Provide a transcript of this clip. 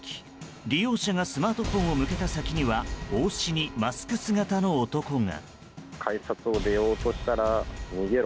利用者がスマートフォンを向けた先には帽子にマスク姿の男が。